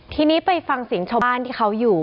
ทีนี้ไปฟังเสียงชาวบ้านที่เขาอยู่